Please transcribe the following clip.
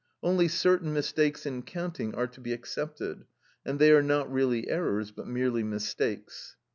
Only certain mistakes in counting are to be excepted, and they are not really errors, but merely mistakes.